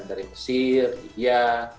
dari mesir libya